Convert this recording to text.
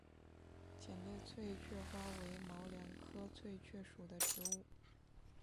浅裂翠雀花为毛茛科翠雀属的植物。